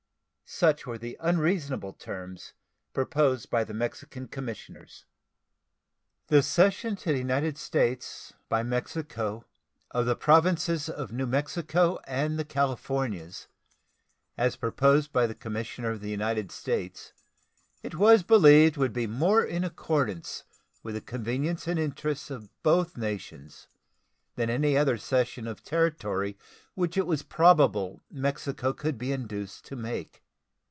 Such were the unreasonable terms proposed by the Mexican commissioners. The cession to the United States by Mexico of the Provinces of New Mexico and the Californias, as proposed by the commissioner of the United States, it was believed would be more in accordance with the convenience and interests of both nations than any other cession of territory which it was probable Mexico could be induced to make.